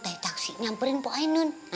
dekoksi nyamperin pok ayah nun